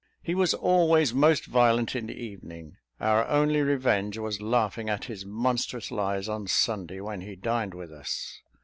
He was always most violent in the evening. Our only revenge was laughing at his monstrous lies on Sunday, when he dined with us.